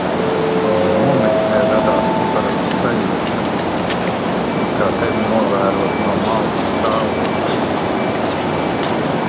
Nometnē radās neparasta sajūta, it kā tevi novērotu no malas stāvošais.